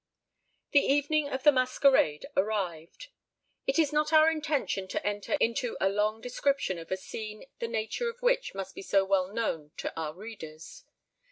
The evening of the masquerade arrived. It is not our intention to enter into a long description of a scene the nature of which must be so well known to our readers.